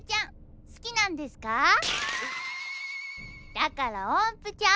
だからおんぷちゃん。